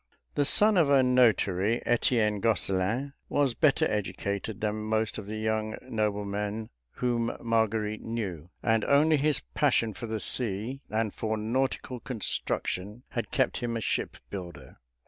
The son of a notary, Etienne Gosselin was better educated than most of the young noblemen whom Marguerite knew, and only his passion for the sea and for nautical construction had kept him a shipbuilder.